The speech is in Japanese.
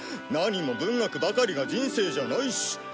何も文学ばかりが人生じゃないし。